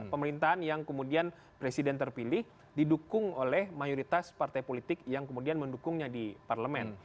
pemerintahan yang kemudian presiden terpilih didukung oleh mayoritas partai politik yang kemudian mendukungnya di parlemen